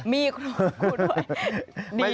มีครูด้วย